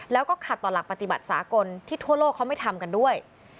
แล้วก็ขัดต่อหลักปฏิบัติสากลที่ทั่วโลกเขาไม่ทำกันด้วย